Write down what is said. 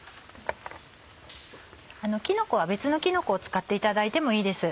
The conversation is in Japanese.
きのこは別のきのこを使っていただいてもいいです。